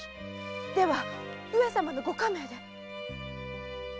では上様のご下命で？